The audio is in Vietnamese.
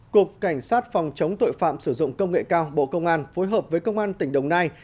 cục cảnh sát phòng chống tội phạm sử dụng công nghệ cao bộ công an phối hợp với công an tỉnh đồng nai